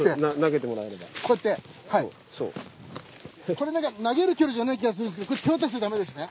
これなんか投げる距離じゃない気がするんですけどこれ手渡しじゃだめですね？